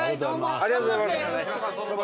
ありがとうございます。